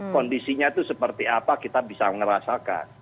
kondisinya itu seperti apa kita bisa merasakan